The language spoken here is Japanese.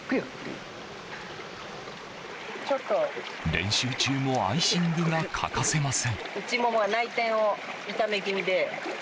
練習中もアイシングが欠かせません。